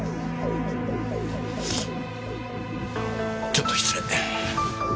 ちょっと失礼！